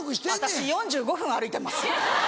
私４５分歩いてます！